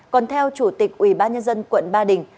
còn theo chủ tịch ủy ban nhân dân quận ba đình